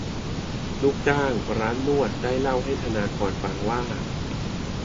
ลูกจ้างร้านนวดได้เล่าให้ธนาธรฟังว่า